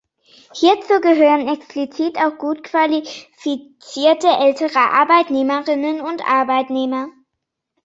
Hierzu gehören explizit auch gut qualifizierte ältere Arbeitnehmerinnen und Arbeitnehmer.